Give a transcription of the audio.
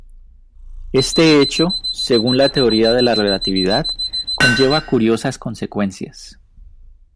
Este hecho según la teoría de la relatividad conlleva curiosas consecuencias.